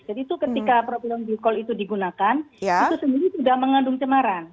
jadi itu ketika propion glycol itu digunakan itu sendiri juga mengandung cemaran